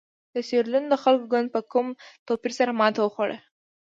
د سیریلیون د خلکو ګوند په کم توپیر سره ماته وخوړه.